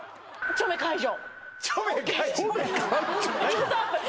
チョメ解除